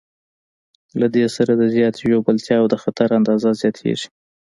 له دې سره د زیاتې ژوبلېدا او د خطر اندازه زیاتېږي.